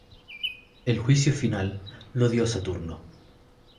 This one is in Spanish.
El juicio final lo dio Saturno.